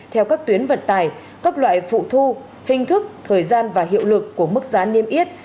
theo các tuyến vận tài các loại phụ thu hình thức thời gian và hiệu lực của mức giá niêm yết